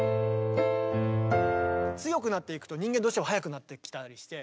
強くなっていくと人間どうしても速くなってきたりして。